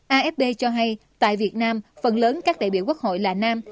afd cho hay tại việt nam phần lớn các đại biểu quốc hội là nam